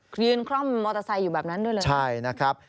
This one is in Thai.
ยืนคล่อมมอเตอร์ไซค์อยู่แบบนั้นด้วยเลยใช่นะครับ